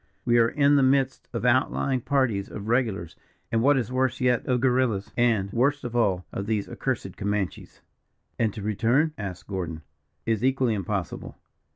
We are in the midst of out laying parties of regulars and, what is worse yet, of guerrillas; and, worst of all, of these accursed Comanches." "And to return?" asked Gordon. "Is equally impossible."